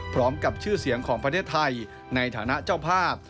พร้อมกับชื่อเสียงของประเทศไทยในฐานะเจ้าภาพ